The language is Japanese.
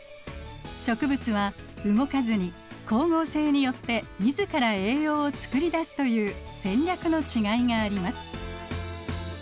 植物は動かずに光合成によって自ら栄養を作り出すという戦略のちがいがあります。